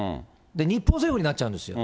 日本政府になっちゃうんですよ。